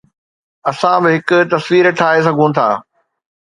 اسان به هڪ تصوير ٺاهي سگهون ٿا